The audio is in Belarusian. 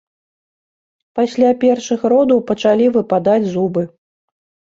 Пасля першых родаў пачалі выпадаць зубы.